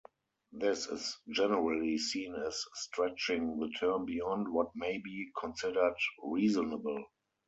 This is generally seen as stretching the term beyond what may be considered reasonable.